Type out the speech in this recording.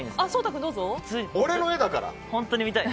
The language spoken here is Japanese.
俺の絵だから。